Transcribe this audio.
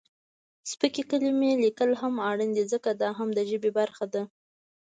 سپکې کلمې لیکل هم اړین دي ځکه، دا هم د ژبې برخه ده.